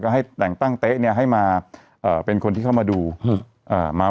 ก็ให้แต่งตั้งเต๊ะเนี่ยให้มาเอ่อเป็นคนที่เข้ามาดูเอ่อมา